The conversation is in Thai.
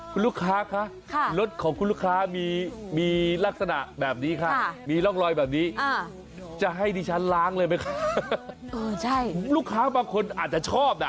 คุณลูกค้าคะรถของคุณลูกค้ามีลักษณะแบบนี้ค่ะมีร่องรอยแบบนี้จะให้ดิฉันล้างเลยไหมคะลูกค้าบางคนอาจจะชอบนะ